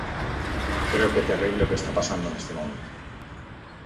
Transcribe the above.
Creo que é terrible o que está pasando neste momento.